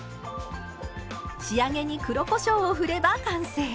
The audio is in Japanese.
仕上げに黒こしょうを振れば完成。